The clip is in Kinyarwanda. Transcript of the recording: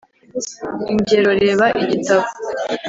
Ingero reba igitabo